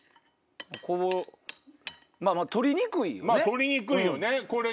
こぼまぁ取りにくいよね。